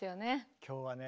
今日はね